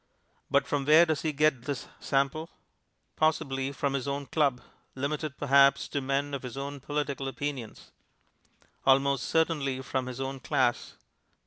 But from where does he get his sample? Possibly from his own club, limited perhaps to men of his own political opinions; almost certainly from his own class.